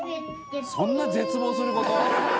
「そんな絶望する事？」